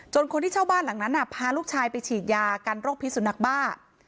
คนที่เช่าบ้านหลังนั้นพาลูกชายไปฉีดยากันโรคพิษสุนัขบ้า